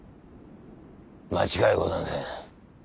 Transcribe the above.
間違いござんせん。